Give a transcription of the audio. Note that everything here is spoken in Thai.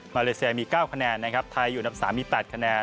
เลเซียมี๙คะแนนนะครับไทยอยู่อันดับ๓มี๘คะแนน